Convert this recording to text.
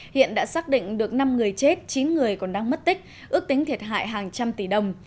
hiện đã xác định được năm người chết chín người còn đang mất tích ước tính thiệt hại hàng trăm tỷ đồng